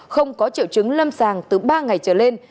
không có triệu chứng lâm sàng từ ba ngày trở lên